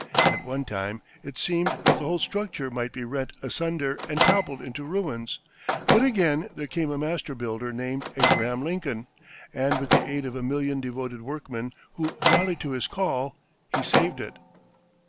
At one time, it seemed that the whole structure might be rent asunder and topple into ruins; but again there came a master builder named Abraham Lincoln, and with the aid of a million devoted workmen who rallied to his call, he saved it.